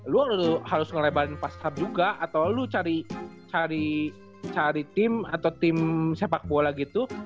lu harus ngerebalin pasap juga atau lu cari tim atau tim sepak bola gitu